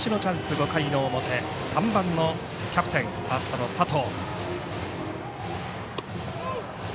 ５回の表、３番のキャプテンファーストの佐藤。